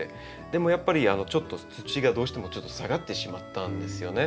でもやっぱりちょっと土がどうしても下がってしまったんですよね。